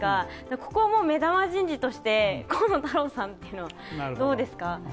ここは目玉人事として、河野太郎さんはどうですか。